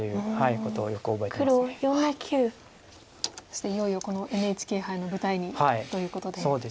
そしていよいよこのＮＨＫ杯の舞台にということで。